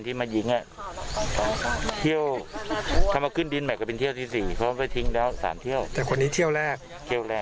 สิบล้อเหมือนกันมันก็ว่าสมดินที่เที่ยวกัน